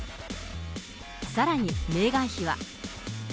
さらにメーガン妃は。